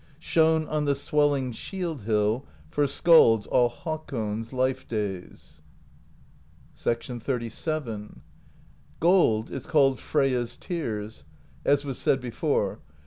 Shone on the swelling shield hill For skalds all Hakon's life days. XXXVII. "Gold is called Freyja's Tears, as was said before.